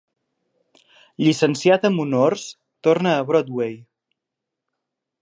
Llicenciat amb honors, torna a Broadway.